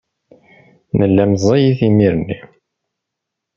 Nella meẓẓiyit imir-nni.